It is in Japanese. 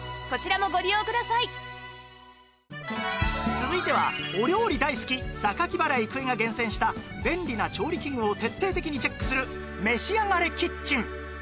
続いてはお料理大好き榊原郁恵が厳選した便利な調理器具を徹底的にチェックするめしあがれキッチン